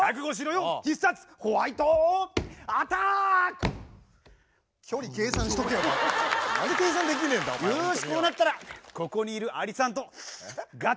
よしこうなったらここにいるアリさんとスーッ！